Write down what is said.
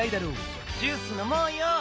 ジュースのもうよ！